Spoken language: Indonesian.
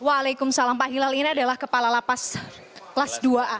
waalaikumsalam pak hilal ini adalah kepala lapas kelas dua a